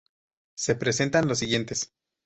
Se presentan los siguientes